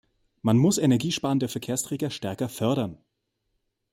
Man muss energiesparende Verkehrsträger stärker fördern.